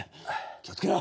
気を付けろ！